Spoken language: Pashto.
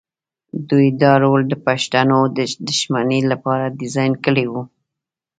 دوی دا رول د پښتنو د دښمنۍ لپاره ډیزاین کړی و.